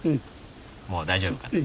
もう大丈夫かな？